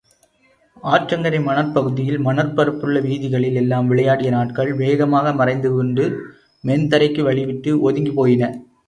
ஆற்றங்கரை மணற்பகுதியில், மணற்பரப்புள்ள வீதிகளில் எல்லாம் விளையாடிய நாட்கள் வேகமாக மறைந்துகொண்டு, மென்தரைக்கு வழிவிட்டு ஒதுங்கிப் போயின.